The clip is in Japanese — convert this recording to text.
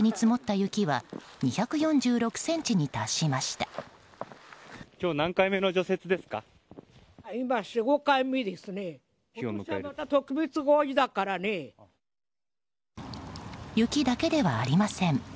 雪だけではありません。